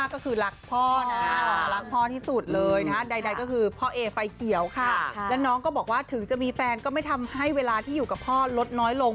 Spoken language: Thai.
รักเขาที่หนึ่งเลยผู้ชายในชีวิต